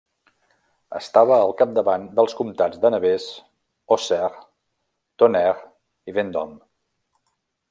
Estava al capdavant dels comtats de Nevers, Auxerre, Tonnerre, i Vendôme.